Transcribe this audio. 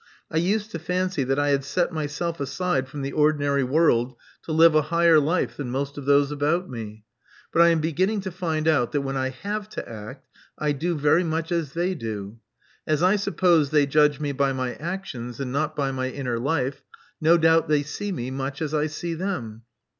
I used to fancy that I had set myself aside from the ordinary world to live a higher life than most of those about me. But I am beginning to find out that when I have to act, I do very much as they do. As I suppose they judge me by my actions and not by my inner life, no doubt they see me much as I see them.